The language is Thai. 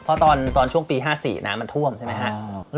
เพราะตอนช่วงปี๕๔น้ำมันท่วมใช่ไหมครับ